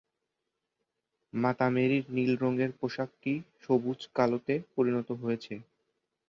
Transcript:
মাতা মেরির নীল রঙের পোশাকটি সবুজ-কালোতে পরিণত হয়েছে।